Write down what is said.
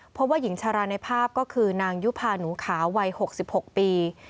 เพราะว่าหญิงชาราในภาพก็คือนางยุภาหนูขาววัย๖๖ปี